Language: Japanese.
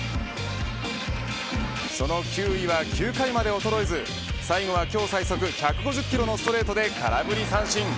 その球威は９回まで衰えず最後は、今日最速１５０キロのストレートで空振り三振。